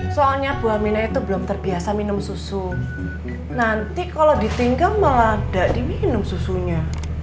soalnya buah mina itu belum terbiasa minum susu nanti kalau ditinggal meledak diminum susunya